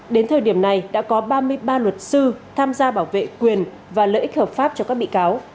đến thời điểm này đã có ba mươi ba luật sư tham gia bảo vệ quyền và lợi ích hợp pháp cho các bị cáo